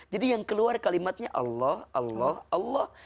jadi yang keluar kalimatnya allah allah allah